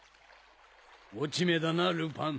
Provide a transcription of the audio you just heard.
落ち目だなルパン。